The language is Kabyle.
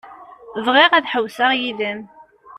Bɣiɣ ad ḥewwseɣ yid-m.